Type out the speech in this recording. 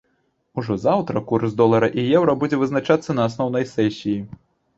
Ужо заўтра курс долара і еўра будзе вызначацца на асноўнай сесіі.